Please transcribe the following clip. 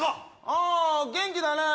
ああ元気だね